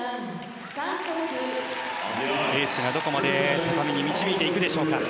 エースがどこまで高みに導いていくでしょうか。